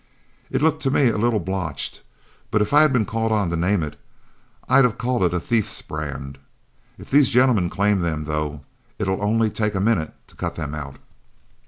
It looked to me a little blotched, but if I'd been called on to name it, I'd called it a thief's brand. If these gentlemen claim them, though, it'll only take a minute to cut them out."